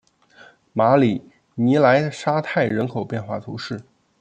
马里尼莱沙泰人口变化图示